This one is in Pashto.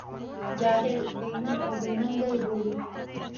جاهل، بې نوم او بې ننګه یې بولي.